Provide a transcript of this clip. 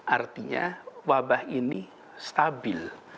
artinya wabah ini stabil